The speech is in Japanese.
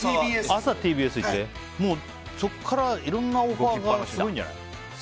朝ＴＢＳいてそこからいろいろなオファーがすごいんじゃない？